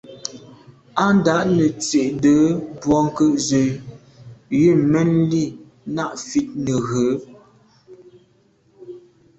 Á ndǎ’ nə̀ tswìdə̌ bwɔ́ŋkə́’ zə̄ yə̂n mɛ́n lî nâ’ fît nə̀ rə̌.